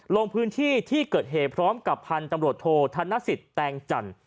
ลงพื้นที่ที่เกิดเหตุพร้อมกับพันธุ์ตำรวจโทษธนสิทธิ์แตงจันทร์